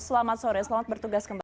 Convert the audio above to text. selamat sore selamat bertugas kembali